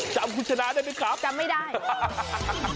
จำคุณชนะได้ไหมครับจำไม่ได้